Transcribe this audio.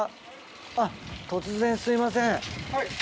あっ突然すいません。